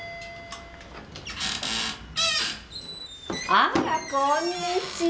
あらこんにちは。